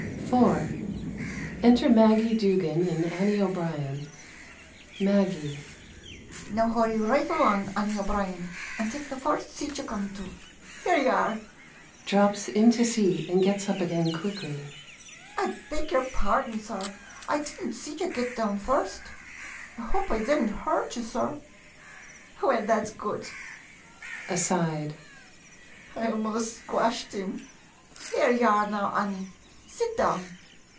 58 SUBURBANITES IV Enter Maggie Doogan and Annie O'Brien Maggie Now, hurry roight alang, Annie O'Brien, an 5 take the furst seat ye come to. Here ye are! [Drops into seat and gets up again quickly.] I beg your pardon, sor ! I did n't see ye git down furst. I hope oi did n't hu urt ye, sor? Well, that's good. [Aside.] I 'most squashed 'im. Here ye are now, Annie — sit down.